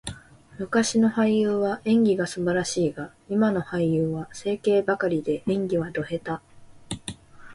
昔の俳優は演技が素晴らしいが、今の俳優は整形ばかりで、演技はド下手。